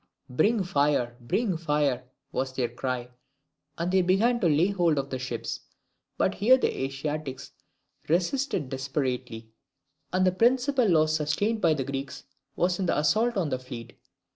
] "Bring fire, bring fire," was their cry; and they began to lay hold of the ships. But here the Asiatics resisted desperately, and the principal loss sustained by the Greeks was in the assault on the fleet.